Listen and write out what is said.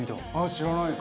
知らないです。